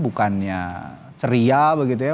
bukannya ceria begitu ya